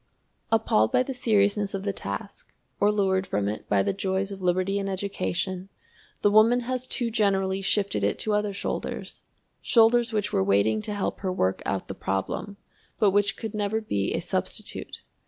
Appalled by the seriousness of the task, or lured from it by the joys of liberty and education, the woman has too generally shifted it to other shoulders shoulders which were waiting to help her work out the problem, but which could never be a substitute.